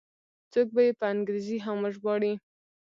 څوک به یې په انګریزي هم وژباړي.